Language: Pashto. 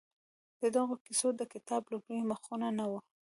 د دغو کیسو د کتاب لومړي مخونه نه وو؟